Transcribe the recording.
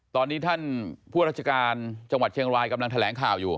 ตอนนี้ท่านผู้ราชการจังหวัดเชียงรายกำลังแถลงข่าวอยู่